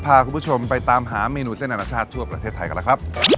พาคุณผู้ชมไปตามหาเมนูเส้นอนาชาติทั่วประเทศไทยกันแล้วครับ